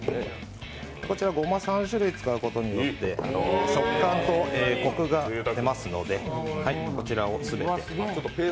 こちら、ごま３種類使うことによって食感とコクが出ますので、こちらを全て入れます。